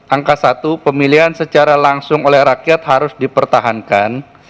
angka satu pemilihan secara langsung oleh rakyat harus dipertahankan